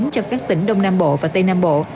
cho các tỉnh đông nam bộ và tây nam bộ